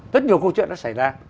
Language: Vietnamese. rất nhiều câu chuyện đã xảy ra